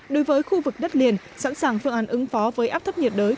đối với khu vực đất liền sẵn sàng phương án ứng phó với áp thấp nhiệt đới